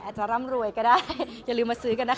อาจจะร่ำรวยก็ได้อย่าลืมมาซื้อกันนะคะ